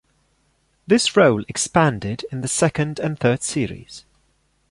This role expanded in the second and third series.